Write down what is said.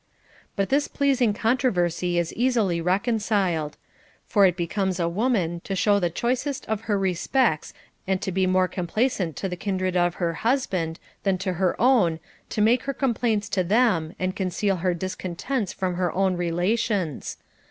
But this pleasing con troversy is easily reconciled. For it becomes a woman tc show the choicest of her respects and to be more com plaisant to the kindred of her husband than to her own to make her complaints to them, and conceal her discon tents from her own relations.